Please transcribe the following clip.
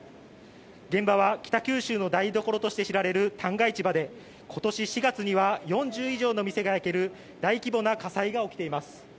現場は北九州の台所として知られる旦過市場で今年４月には４０以上の店が焼ける大規模な火災が起きています。